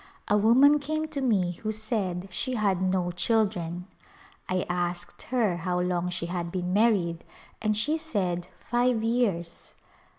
A woman came to me who said she had no children. I asked her how long she had been married and she said, " Five years."